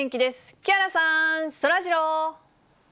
木原さん、そらジロー。